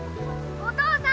お父さん！